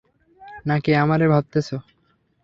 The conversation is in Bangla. নাকি আমারে ভাবতাসো?